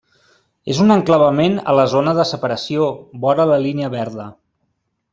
És un enclavament a la zona de separació, vora la Línia Verda.